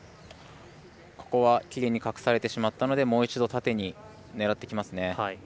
ここは、きれいに隠されてしまったのでもう一度、縦に狙ってきますね。